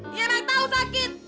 nih anak tahu sakit